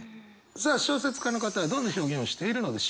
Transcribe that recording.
さあ小説家の方はどんな表現をしているのでしょうか？